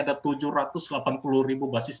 ada tujuh ratus delapan puluh ribu basis